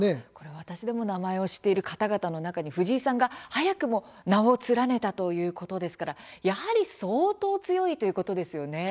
私でも名前を知っている方々の中に藤井さんが早くも名を連ねたということですからやはり相当強いということですね。